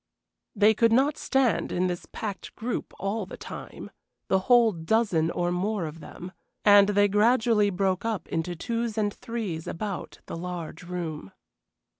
They could not stand in this packed group all the time, the whole dozen or more of them, and they gradually broke up into twos and threes about the large room.